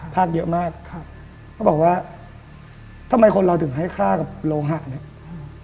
ภาคเยอะมากครับเขาบอกว่าทำไมคนเราถึงให้ค่ากับโลหะเนี่ย